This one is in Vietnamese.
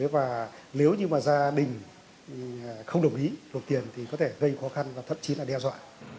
và nếu như mà gia đình không đồng ý nộp tiền thì có thể gây khó khăn và thậm chí là đe dọa